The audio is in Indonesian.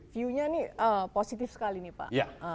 view nya ini positif sekali nih pak